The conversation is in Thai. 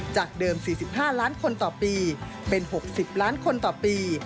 จากเดิม๔๕ล้านคนต่อปีเป็น๖๐ล้านคนต่อปี